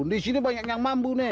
di sini banyak yang mambu nek